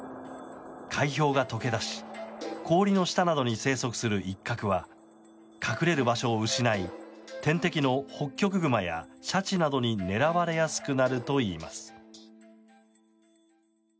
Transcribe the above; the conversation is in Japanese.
海氷が解け出し氷の下などに生息するイッカクは隠れる場所を失い天敵のホッキョクグマやシャチなどに狙われやすくなるといいます。